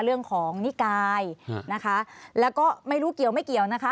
นิกายนะคะแล้วก็ไม่รู้เกี่ยวไม่เกี่ยวนะคะ